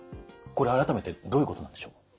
これ改めてどういうことなんでしょう。